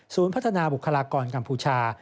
ศูนย์พัฒนาบุคลากรกัมพูชา